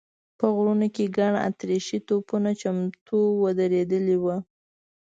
په غرونو کې ګڼ اتریشي توپونه چمتو ودرېدلي و.